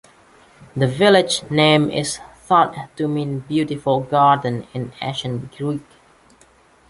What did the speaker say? The village name is thought to mean "Beautiful Garden" in ancient Greek.